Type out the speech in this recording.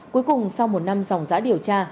cuối cùng sau một năm dòng giã điều tra